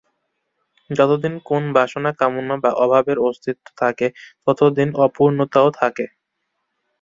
যতদিন কোন বাসনা কামনা বা অভাবের অস্তিত্ব থাকে, ততদিন অপূর্ণতাও থাকে।